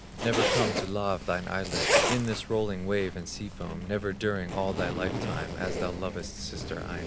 Never come to lave thine eyelids In this rolling wave and sea foam, Never during all thy life time, As thou lovest sister Aino.